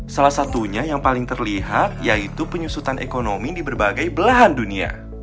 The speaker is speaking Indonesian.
salah satunya yang paling terlihat yaitu penyusutan ekonomi di berbagai belahan dunia